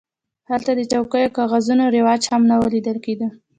هلته د چوکیو او کاچوغو رواج هم نه و لیدل کېده.